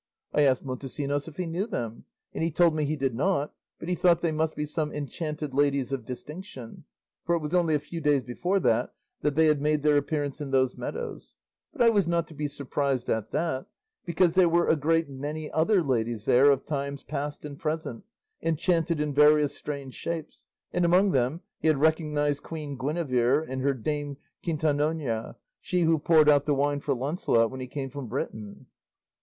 I asked Montesinos if he knew them, and he told me he did not, but he thought they must be some enchanted ladies of distinction, for it was only a few days before that they had made their appearance in those meadows; but I was not to be surprised at that, because there were a great many other ladies there of times past and present, enchanted in various strange shapes, and among them he had recognised Queen Guinevere and her dame Quintanona, she who poured out the wine for Lancelot when he came from Britain."